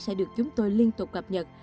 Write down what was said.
sẽ được chúng tôi liên tục gặp nhật